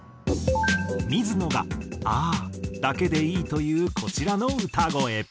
水野が「“ああ”だけでいい」と言うこちらの歌声。